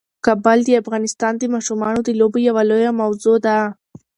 کابل د افغانستان د ماشومانو د لوبو یوه لویه موضوع ده.